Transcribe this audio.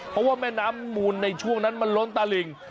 เพราะว่าแม่น้ำมูลในช่วงนั้นมันล้นตะหลิ่ง